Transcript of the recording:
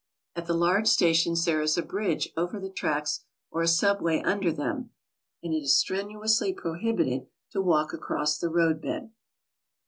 At the large stations there is a bridge over the tracks or a subway under them, and it is strenuously prohibited to walk across the road bed.